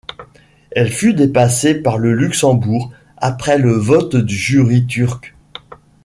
Elle fut dépassée par le Luxembourg, après le vote du jury turc.